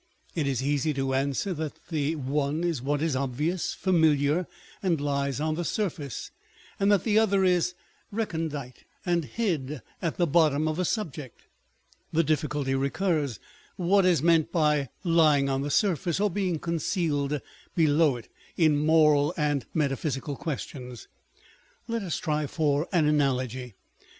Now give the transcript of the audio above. It is easy to answer that the one is what is obvious, familiar, and lies on the surface, and that the other is recondite and hid at the bottom of a subject. The difficulty recurs â€" What is meant by lying on the surface, or being concealed below it, in moral and metaphysical questions? Let us try for an analogy.